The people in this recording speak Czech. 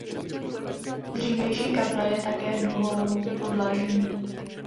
Dřívější kaple je také dvoupodlažní.